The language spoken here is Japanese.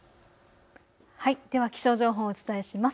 では気象情報をお伝えします。